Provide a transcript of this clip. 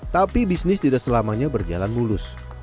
tapi bisnis tidak selamanya berjalan mulus